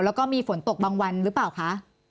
แล้วก็มีฝนตกบางวันหรือเปล่าคะ